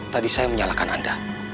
tadi saya menyalahkan anda